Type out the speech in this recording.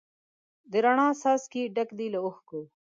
د روڼا څاڅکي ډک دي له اوښکو